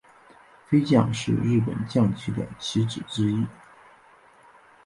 飞将是日本将棋的棋子之一。